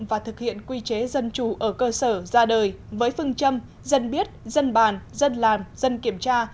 và thực hiện quy chế dân chủ ở cơ sở ra đời với phương châm dân biết dân bàn dân làm dân kiểm tra